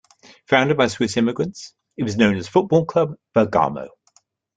Founded by Swiss immigrants, it was known as "Foot Ball Club Bergamo".